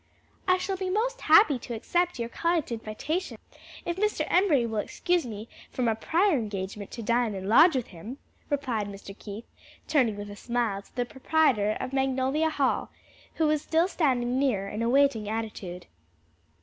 "I shall be most happy to accept your kind invitation, if Mr. Embury will excuse me from a prior engagement to dine and lodge with him," replied Mr. Keith, turning with a smile to the proprietor of Magnolia Hall, who was still standing near in a waiting attitude.